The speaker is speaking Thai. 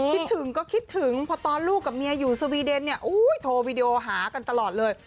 คิดถึงก็คิดถึงพอตอนลูกกับเมียอยู่สวีเดนเนี่ยโทรวีดีโอหากันตลอดเลย